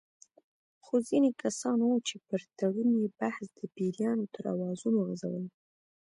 خو ځینې کسان وو چې پر تړون یې بحث د پیریانو تر اوازو غـځولو.